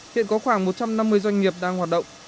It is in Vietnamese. hiện có khoảng một trăm năm mươi doanh nghiệp đang hoạt động